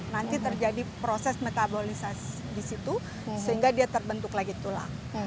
nanti terjadi proses metabolisasi di situ sehingga dia terbentuk lagi tulang